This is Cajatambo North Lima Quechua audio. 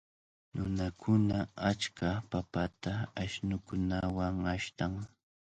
Nunakuna achka papata ashnukunawan ashtan.